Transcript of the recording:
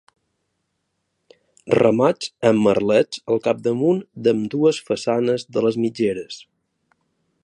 Remats amb merlets al capdamunt d'ambdues façanes de les mitgeres.